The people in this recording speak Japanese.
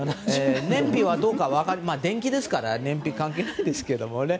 燃費はどうか分からない電気ですから燃費関係ないですけどね。